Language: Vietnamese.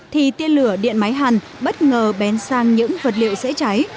thì tiên lửa điện máy hàn bất ngờ bén sang những vật liệu dễ cháy